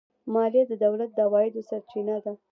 مالیه د دولت د عوایدو سرچینه ده.